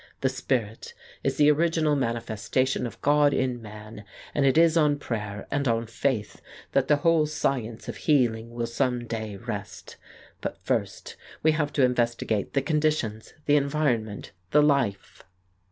The spirit is the original manifestation of God in man, and it is on prayer and on faith that the whole science of healing will some day rest. But first we have to investigate the conditions, the environment, the life.